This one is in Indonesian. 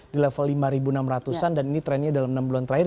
di level lima enam ratus an dan ini trennya dalam enam bulan terakhir